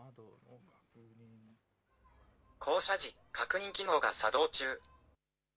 降車時、確認機能が作動中。